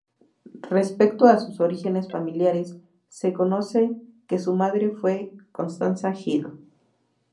Respecto a sus orígenes familiares, se conoce que su madre fue Constanza Gil.